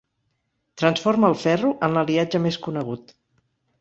Transforma el ferro en l'aliatge més conegut.